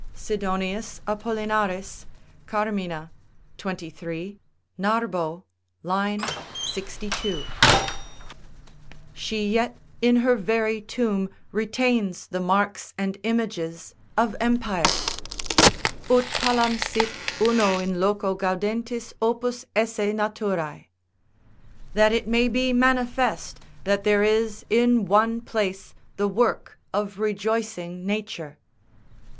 Sidonius Apollinaris, Carm., xxiii.; Narba, v. 62.] she yet in her very tomb retains the marks and images of empire: "Ut palam sit, uno in loco gaudentis opus esse naturx." ["That it may be manifest that there is in one place the work of rejoicing nature."